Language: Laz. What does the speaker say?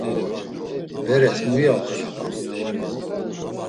Beres muya oxenapam?